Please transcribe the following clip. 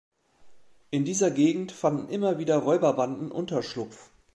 In dieser Gegend fanden immer wieder Räuberbanden Unterschlupf.